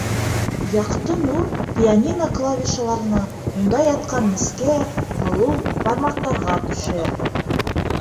Яҡты нур пианино клавишаларына, унда ятҡан нескә, һылыу бармаҡтарға төшә.